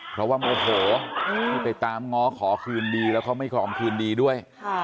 เพราะว่าโมโหที่ไปตามง้อขอคืนดีแล้วเขาไม่ยอมคืนดีด้วย